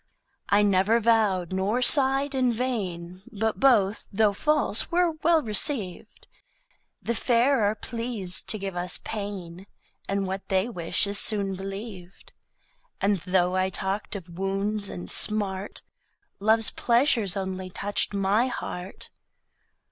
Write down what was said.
I never vow'd nor sigh'd in vain But both, thô false, were well receiv'd. The Fair are pleas'd to give us pain, And what they wish is soon believ'd. And thô I talked of Wounds and Smart, Loves Pleasures only toucht my Heart.